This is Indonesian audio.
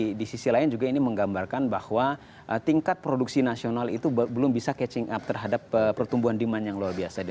tapi di sisi lain juga ini menggambarkan bahwa tingkat produksi nasional itu belum bisa catching up terhadap pertumbuhan demand yang luar biasa